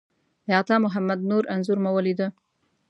د عطامحمد نور انځور مو ولیده.